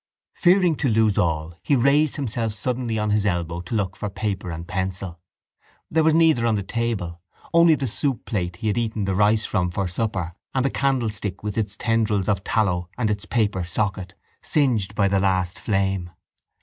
Fearing to lose all, he raised himself suddenly on his elbow to look for paper and pencil. There was neither on the table; only the soup plate he had eaten the rice from for supper and the candlestick with its tendrils of tallow and its paper socket, singed by the last flame.